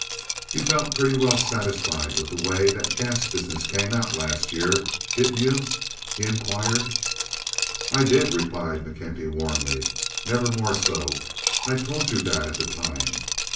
"You felt pretty well satisfied with the way that gas business came out last year, didn't you?" he inquired. "I did," replied McKenty, warmly. "Never more so. I told you that at the time."